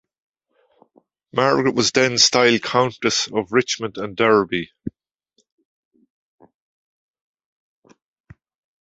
Margaret was then styled "Countess of Richmond and Derby".